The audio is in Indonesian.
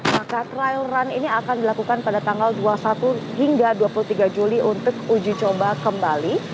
maka trial run ini akan dilakukan pada tanggal dua puluh satu hingga dua puluh tiga juli untuk uji coba kembali